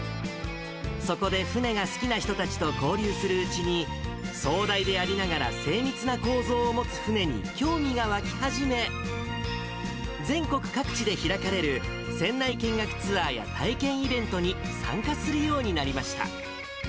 そこで船が好きな人たちと交流するうちに、壮大でありながら精密な構造を持つ船に興味が湧き始め、全国各地で開かれる船内見学ツアーや体験イベントに参加するようになりました。